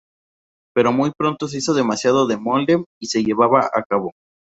Pero muy pronto se hizo demasiado de molde y se llevaba a cabo.